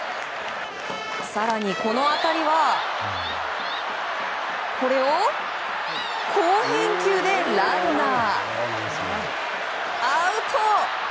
更にこの当たりはこれを好返球でランナーアウト！